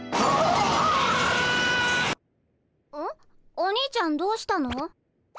お兄ちゃんどうしたの？